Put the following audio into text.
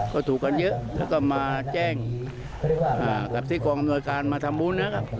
ก็ถูกกันเยอะแล้วก็มาแจ้งกับที่กองอำนวยการมาทำบุญนะครับ